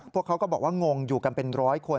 พวกเขาก็บอกว่างงอยู่กันเป็นร้อยคน